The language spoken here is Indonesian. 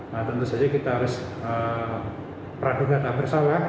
nah tentu saja kita harus peradukan dan bersalah